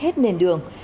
hết nền đường